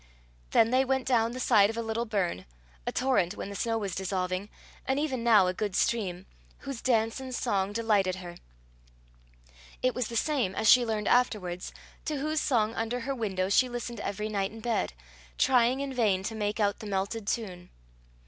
Then they went down the side of a little burn a torrent when the snow was dissolving, and even now a good stream, whose dance and song delighted her: it was the same, as she learned afterwards, to whose song under her window she listened every night in bed, trying in vain to make out the melted tune.